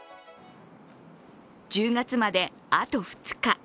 １０月まで、あと２日。